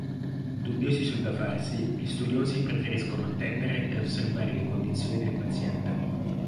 Dubbiosi sul da farsi, gli studiosi preferiscono attendere e osservare le condizioni del paziente.